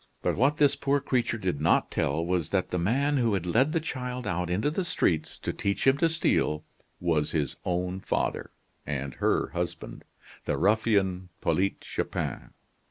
But what this poor creature did not tell was that the man who had led the child out into the streets, to teach him to steal, was his own father, and her husband the ruffian, Polyte Chupin.